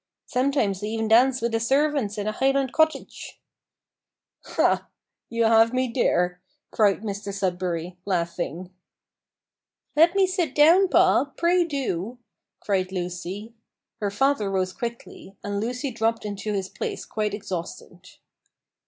Sometimes they even dance wi' the servants in a Highland cottage!" "Ha! you have me there," cried Mr Sudberry, laughing. "Let me sit down, pa, pray do!" cried Lucy. Her father rose quickly, and Lucy dropped into his place quite exhausted.